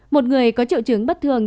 một người có triệu chứng bất thường